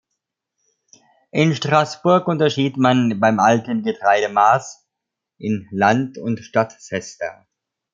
In Straßburg unterschied man beim alten Getreidemaß in Land- und Stadt-Sester.